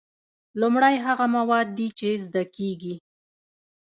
لومړی هغه مواد دي چې زده کیږي.